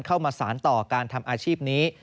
เข้ามาสารต่อการทำอาชีพนี้